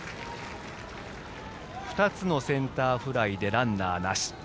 ２つのセンターフライでランナーなし。